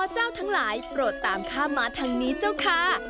เจ้าทั้งหลายโปรดตามข้ามมาทางนี้เจ้าค่ะ